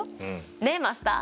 ねっマスター？